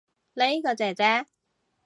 呢個姐姐